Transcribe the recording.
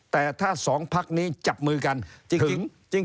แต่ถ้าสองภาคนี้จับมือกันถึง